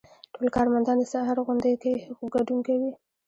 ټول کارمندان د سهار غونډې کې ګډون کوي.